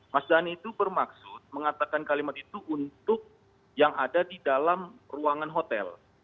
mas dhani itu bermaksud mengatakan kalimat itu untuk yang ada di dalam ruangan hotel